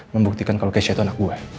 membuktikan kalau kece itu anak gue